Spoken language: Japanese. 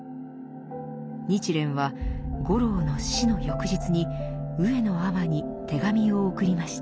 日蓮は五郎の死の翌日に上野尼に手紙を送りました。